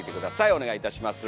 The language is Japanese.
お願いいたします。